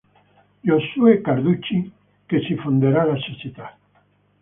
Giosuè Carducci" che si fonderà la società.